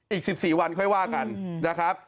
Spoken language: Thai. อีก๑๔วันค่อยว่ากันนะครับ